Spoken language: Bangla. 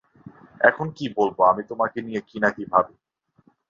এখন কী বলব, আমি তোমাকে নিয়ে কী-না ভাবিনি?